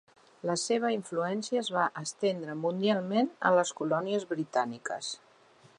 La seva influència es va estendre mundialment a les colònies britàniques.